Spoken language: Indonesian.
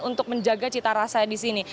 untuk menjaga cita rasa di sini